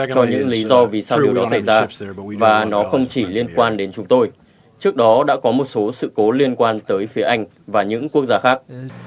cho những lý do vì sao lưu nó xảy ra và nó không chỉ liên quan đến chúng tôi trước đó đã có một số sự cố liên quan tới phía anh và những quốc gia khác